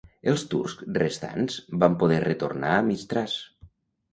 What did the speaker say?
Els turcs restants van poder retornar a Mistràs.